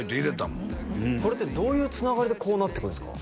うんうんうんこれってどういうつながりでこうなっていくんですか？